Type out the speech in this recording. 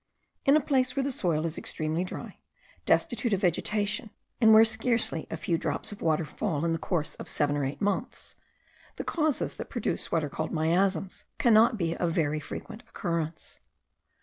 In a place where the soil is extremely dry, destitute of vegetation, and where scarcely a few drops of water fall in the course of seven or eight months, the causes that produce what are called miasms, cannot be of very frequent occurrence.